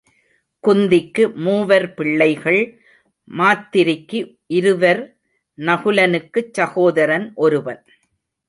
குந்திக்கு மூவர் பிள்ளைகள் மாத்திரிக்கு இருவர் நகுலனுக்குச் சகோதரன் ஒருவன்.